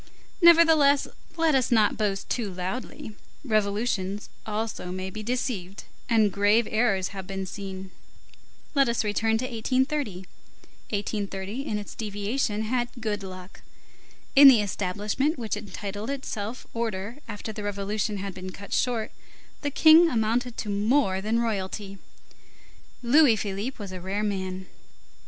Nevertheless, let us not boast too loudly; revolutions also may be deceived, and grave errors have been seen. Let us return to 1830. 1830, in its deviation, had good luck. In the establishment which entitled itself order after the revolution had been cut short, the King amounted to more than royalty. Louis Philippe was a rare man.